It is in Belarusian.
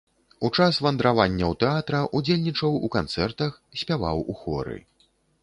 У час вандраванняў тэатра ўдзельнічаў у канцэртах, спяваў у хоры.